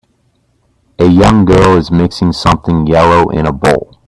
A young girl is mixing something yellow in a bowl.